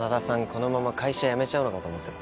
このまま会社辞めちゃうのかと思ってた。